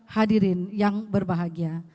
hadirin yang berbahagia